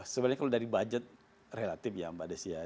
sebenarnya kalau dari budget relatif ya mbak desya